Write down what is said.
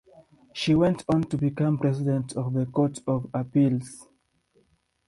She went on to become President of the Court of Appeals.